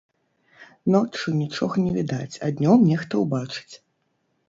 Ноччу нічога не відаць, а днём нехта ўбачыць.